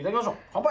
乾杯！